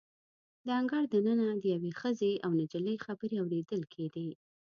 د انګړ د ننه د یوې ښځې او نجلۍ خبرې اوریدل کیدې.